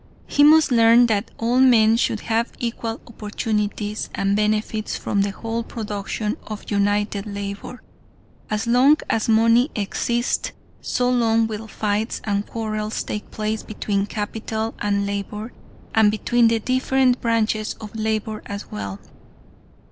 He must learn that all men should have equal opportunities and benefits from the whole production of united labor. As long as money exists, so long will fights and quarrels take place between capital and labor, and between the different branches of labor as well.